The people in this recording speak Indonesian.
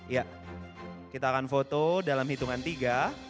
ya kita akan foto dalam hitungan tiga